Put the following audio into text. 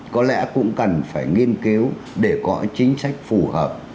có lẽ cũng cần phải nghiên cứu để có chính sách phù hợp